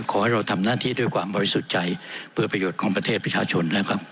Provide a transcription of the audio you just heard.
ขอให้เราทำหน้าที่ด้วยความบริสุทธิ์ใจเพื่อประโยชน์ของประเทศประชาชนนะครับ